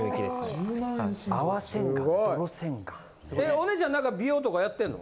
お姉ちゃん何か美容とかやってんの？